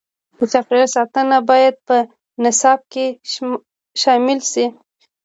د چاپیریال ساتنه باید په نصاب کې شامل شي.